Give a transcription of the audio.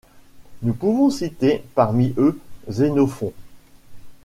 Nous pouvons citer parmi eux Xénophon.